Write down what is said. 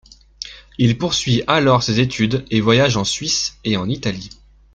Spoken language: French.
Il poursuit alors ses études et voyage en Suisse et en Italie.